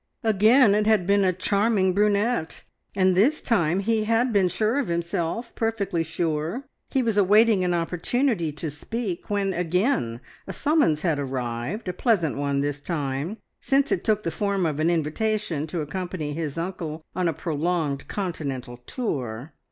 Again it had been a charming brunette, and this time he had been sure of himself, perfectly sure. He was awaiting an opportunity to speak when again a summons had arrived, a pleasant one this time, since it took the form of an invitation to accompany his uncle on a prolonged continental tour.